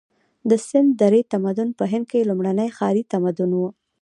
د سند درې تمدن په هند کې لومړنی ښاري تمدن و.